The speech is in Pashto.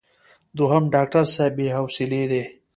دوهم: ډاکټر صاحب بې حوصلې دی.